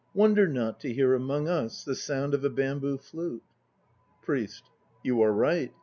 Wonder not to hear among us The sound of a bamboo flute. PRIEST. You are right.